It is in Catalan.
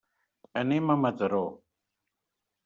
Anem a Mataró.